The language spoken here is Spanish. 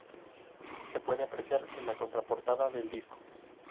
Se puede apreciar en la contraportada del disco.